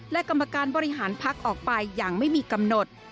และกรรมการบริหารพักออกไปอย่างไม่มีกำหนด